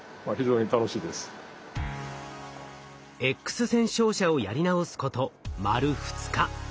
Ｘ線照射をやり直すこと丸二日。